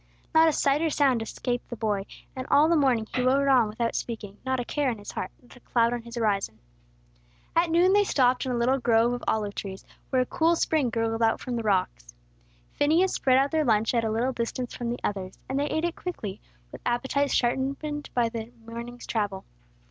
Not a sight or sound escaped the boy; and all the morning he rode on without speaking, not a care in his heart, not a cloud on his horizon. At noon they stopped in a little grove of olive trees where a cool spring gurgled out from the rocks. Phineas spread out their lunch at a little distance from the others; and they ate it quickly, with appetites sharpened by the morning's travel.